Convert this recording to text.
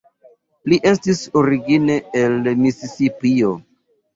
Li estis origine el Misisipio.